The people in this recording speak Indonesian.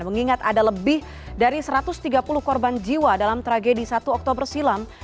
mengingat ada lebih dari satu ratus tiga puluh korban jiwa dalam tragedi satu oktober silam